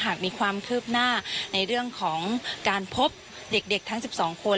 หากมีความคืบหน้าในเรื่องของการพบเด็กทั้ง๑๒คน